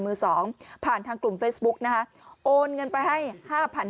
มือสองผ่านทางกลุ่มเฟซบุ๊กนะคะโอนเงินไปให้ห้าพัน